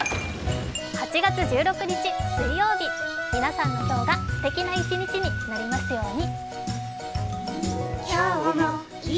８月１６日水曜日、皆さんの今日がすてきな一日になりますように。